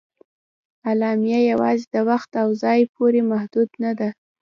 اعلامیه یواځې د وخت او ځای پورې محدود نه ده.